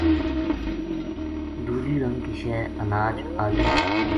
دُوجی رنگ کی شے اناج آلو